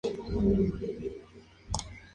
Edición trilingue:vasco, castellano, hebreo.